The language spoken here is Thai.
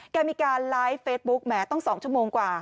มีการไลฟ์เฟซบุ๊คแหมต้อง๒ชั่วโมงกว่า